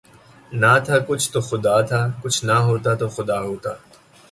نہ تھا کچھ تو خدا تھا، کچھ نہ ہوتا تو خدا ہوتا